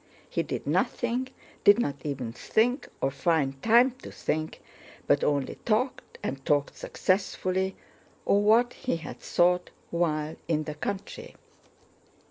He did nothing, did not even think or find time to think, but only talked, and talked successfully, of what he had thought while in the country.